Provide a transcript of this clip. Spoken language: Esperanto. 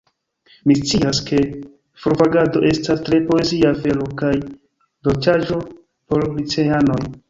Mi scias, ke forvagado estas tre poezia afero kaj dolĉaĵo por liceanoj.